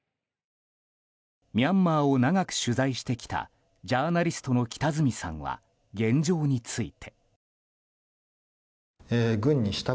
ミャンマーを長く取材してきたジャーナリストの北角さんは現状について。